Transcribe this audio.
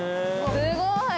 ◆すごーい！